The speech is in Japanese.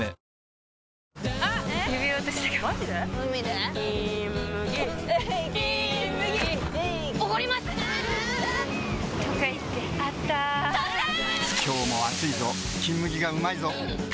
今日も暑いぞ「金麦」がうまいぞ帰れば「金麦」